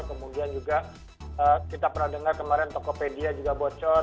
kemudian juga kita pernah dengar kemarin tokopedia juga bocor